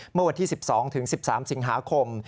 เมื่อวันที่๑๒๑๓สิงหาคม